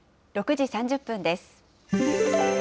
６時３０分です。